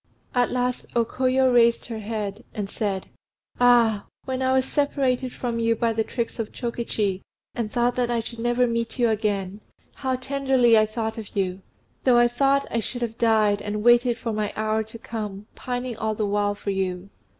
At last O Koyo raised her head and said, "Ah! when I was separated from you by the tricks of Chokichi, and thought that I should never meet you again, how tenderly I thought of you! I thought I should have died, and waited for my hour to come, pining all the while for you.